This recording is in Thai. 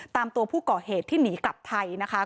ตามตัวผู้ก่อเหตุที่หนีกลับไทยนะคะ